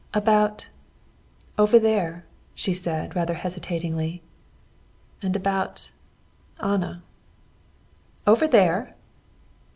"About over there," she said rather hesitatingly. "And about Anna." "Over there?"